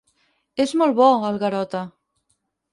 És molt bo, el Garota.